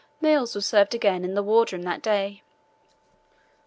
Meals were served again in the wardroom that day.